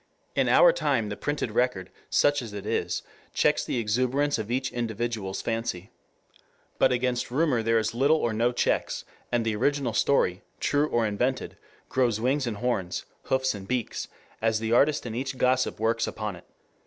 In our time the printed record, such as it is, checks the exuberance of each individual's fancy. But against rumor there is little or no checks and the original story, true or invented, grows wings and horns, hoofs and beaks, as the artist in each gossip works upon it.